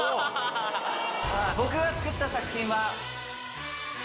僕が作った作品は。